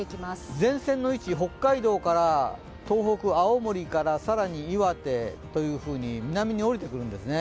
前線の位置、北海道から東北、青森から更に岩手というふうに南に下りてくるんですね。